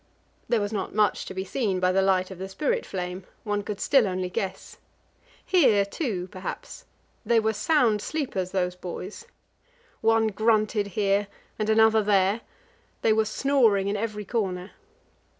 There was not much to be seen by the light of the spirit flame; one could still only guess. Hear too, perhaps. They were sound sleepers, those boys. One grunted here and another there; they were snoring in every corner.